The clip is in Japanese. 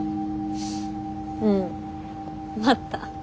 うん待った。